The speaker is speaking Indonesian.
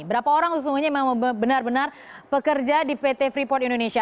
berapa orang sesungguhnya memang benar benar pekerja di pt freeport indonesia